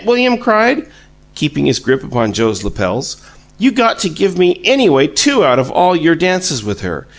William cried, keeping his grip upon Joe's lapels. "You GOT to give me anyway TWO out of all your dances with her!